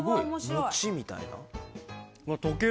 餅みたいな。